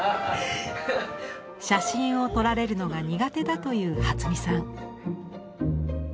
写真を撮られるのが苦手だという初美さん。